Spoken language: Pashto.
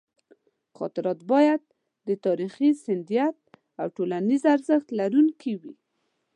خاطرات باید د تاریخي سندیت او ټولنیز ارزښت لرونکي وي.